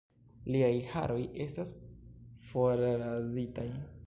Liaj haroj estas forrazitaj.